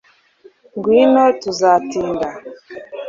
Ngwino Tuzatinda